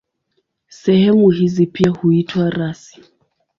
Sehemu hizi pia huitwa rasi.